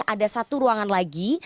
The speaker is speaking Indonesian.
ada satu ruangan lagi